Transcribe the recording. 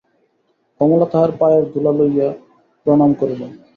কমলা তাহার পায়ের ধুলা লইয়া প্রণাম করিল।